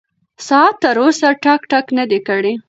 ساعت تر اوسه ټک ټک نه دی کړی.